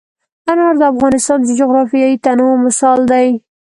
انار د افغانستان د جغرافیوي تنوع مثال دی.